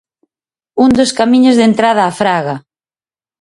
Un dos camiños de entrada á fraga.